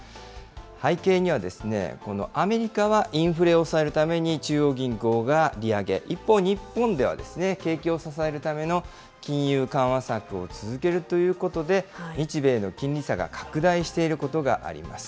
背景には、アメリカはインフレを抑えるために、中央銀行が利上げ、一方、日本ではですね、景気を支えるための金融緩和策を続けるということで、日米の金利差が拡大していることがあります。